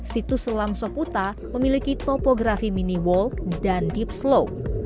situs selam soputa memiliki topografi mini wall dan deep slope